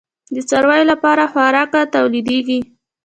د څارویو لپاره خوراکه تولیدیږي؟